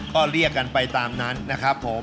ก็เรียกกันไปตามนั้นนะครับผม